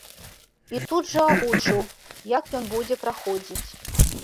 І тут жа агучыў, як ён будзе праходзіць.